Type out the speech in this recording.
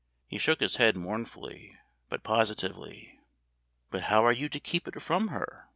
He shook his head mournfully, but positively. "But how are you to keep it from her?